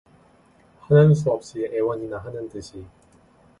하는 수 없이 애원이나 하는 듯이.